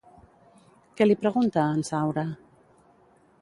Què li pregunta a en Saura?